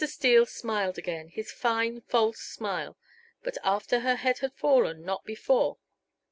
Steele smiled again, his fine, false smile, but after her head had fallen; not before.